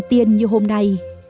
tiên như hôm nay